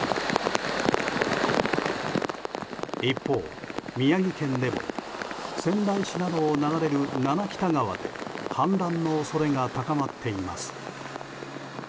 一方、宮城県でも仙台市などを流れる七北田川で氾濫の恐れが高まっています。